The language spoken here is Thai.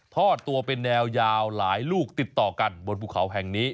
ทอดตัวเป็นแนวยาวหลายลูกติดต่อกันบนภูเขาแห่งนี้